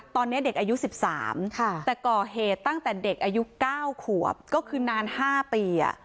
ตอนนี้เด็กอายุ๑๓แต่ก่อเหตุตั้งแต่เด็กอายุ๙ขวบก็คือนาน๕ปี